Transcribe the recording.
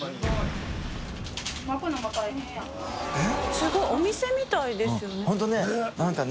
すごいお店みたいですよね本当ね。